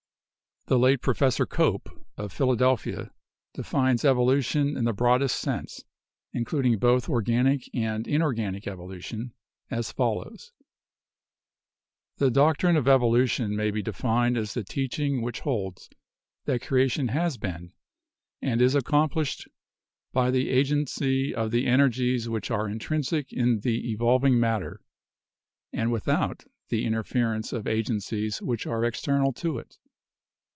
The late Professor Cope, of Philadelphia, defines evolu tion in the broadest sense, including both organic and inorganic evolution, as follows : "The doctrine of evolution may be defined as the teaching which holds that creation has been and is accomplished by the agency of the energies which are intrinsic in the evolving matter, and without the interference of agencies which are external to it.